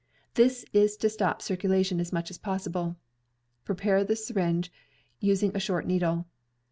This is to stop circulation as much as pos sible. Prepare the syringe, using a short needle.